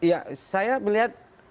ya saya melihat